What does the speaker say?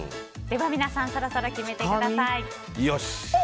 では皆さんそろそろ決めてください。